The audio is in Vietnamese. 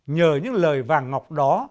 nhờ những lời vàng ngọc đó